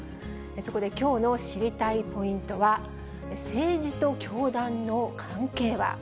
そこできょうの知りたいポイントは、政治と教団の関係は？